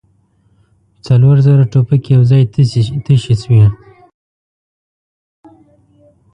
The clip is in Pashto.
څلور زره ټوپکې يو ځای تشې شوې.